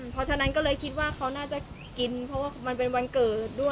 เพราะฉะนั้นก็เลยคิดว่าเขาน่าจะกิน